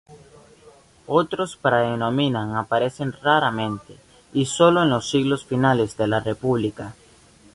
Otros praenomina aparecen raramente, y sólo en los siglos finales de la República.